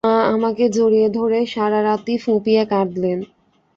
মা আমাকে জড়িয়ে ধরে সারারাতই ফুঁপিয়ে কাঁদলেন।